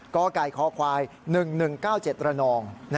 ก้อกายคอควาย๑๑๙๗ระนอง